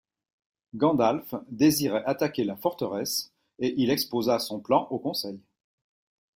Gandalf désirait attaquer la forteresse et il exposa son plan au conseil.